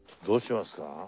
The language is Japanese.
どうしますか？